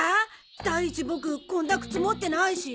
第一ボクこんな靴持ってないし。